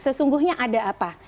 sesungguhnya ada apa